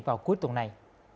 vào cuối tuần này